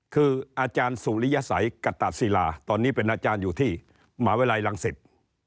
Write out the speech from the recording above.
คืออาจารย์สุริยสัยกตะศิลาตอนนี้เป็นอาจารย์อยู่ที่หมาวิลัยรังศิษย์